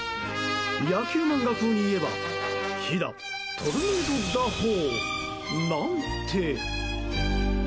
野球漫画風に言えば秘打トルネード打法なんて。